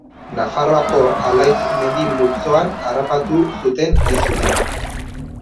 Nafarroako Alaitz mendi-multzoan harrapatu zuten hain zuzen.